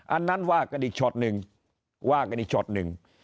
อันนั้นว่ากันอีกช็อตหนึ่งว่ากันอีกช็อตหนึ่ง